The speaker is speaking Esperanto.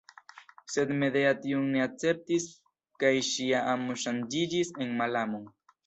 Sed Medea tion ne akceptis kaj ŝia amo ŝanĝiĝis en malamon.